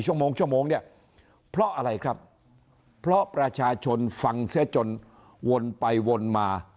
กี่ชั่วโมงเพราะอะไรครับเพราะประชาชนฟังเศรษฐ์จนวนไปวนมา